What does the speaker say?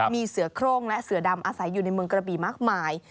มีเสือโครงและเสือดำอาศัยอยู่ในเมืองกระบี่มากมาย